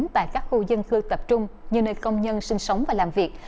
tại các khu dân cư tập trung như nơi công nhân sinh sống và làm việc